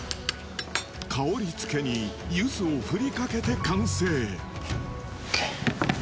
香り付けに柚子を振りかけて完成オッケー。